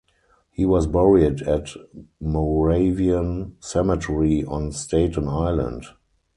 He was buried at Moravian Cemetery on Staten Island.